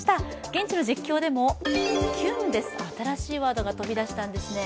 現地の実況でも「キュンです！」、新しいワードが飛び出すんですね。